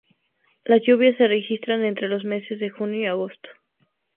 Las lluvias re registran entre los meses de junio y agosto.